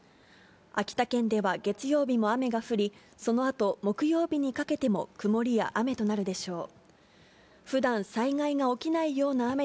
秋田県では月曜日も雨が降り、そのあと木曜日にかけても曇りや雨となるでしょう。